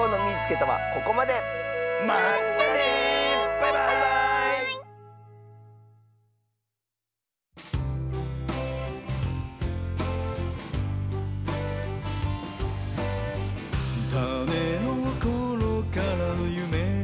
「たねのころからゆめみてた」